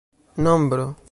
nombro